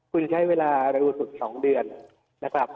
คุณใช้เวลาระดูสุด๒เดือนนะครับ